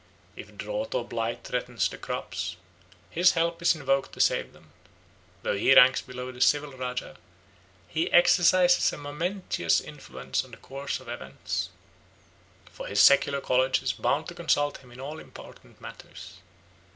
If drought or blight threatens the crops, his help is invoked to save them. Though he ranks below the civil rajah, he exercises a momentous influence on the course of events, for his secular colleague is bound to consult him in all important matters.